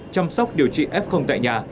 chăm sóc điều trị f tại nhà